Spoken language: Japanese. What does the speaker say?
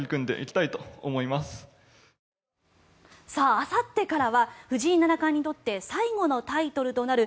あさってからは藤井七冠にとって最後のタイトルとなる